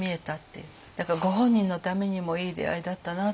だからご本人のためにもいい出会いだったなと思います。